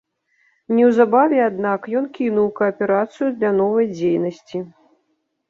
Неўзабаве, аднак, ён кінуў кааперацыю для новай дзейнасці.